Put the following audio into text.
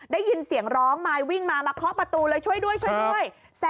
ได้ยินเสียงร้องมายวิ่งมามาเคาะประตูเลยช่วยด้วยช่วยด้วย